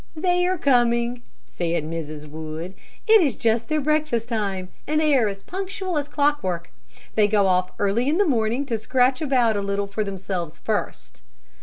"They are coming," said Mrs. Wood. "It is just their breakfast time, and they are as punctual as clockwork. They go off early in the morning, to scratch about a little for themselves first."